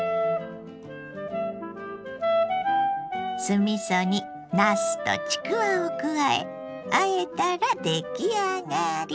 酢みそになすとちくわを加えあえたら出来上がり。